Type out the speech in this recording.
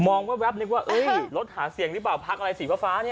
มองแว๊บแว๊บนึกว่าเอ้ยรถหาเสียงรึเปล่าพักอะไรสีฟ้าฟ้าเนี้ย